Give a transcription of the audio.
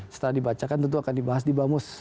setelah dibacakan tentu akan dibahas di bamus